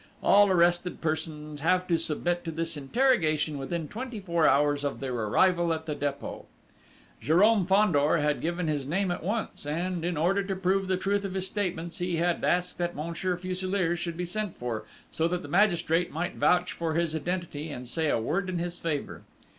All arrested persons have to submit to this interrogation within twenty four hours of their arrival at the Dépôt. Jérôme Fandor had given his name at once, and, in order to prove the truth of his statements, he had asked that Monsieur Fuselier should be sent for, so that the magistrate might vouch for his identity and say a word in his favour.